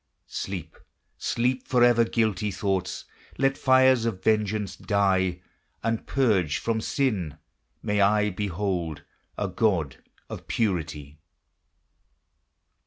Sleep, sleep forever, guilty thoughts; Let fires of vengeance die; And, purged from sin, may I behold A God of purity!